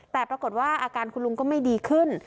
แต่ปรากฏว่าอาการคุณลุงก็ไม่ดีขึ้น